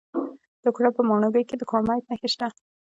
د کونړ په ماڼوګي کې د کرومایټ نښې شته.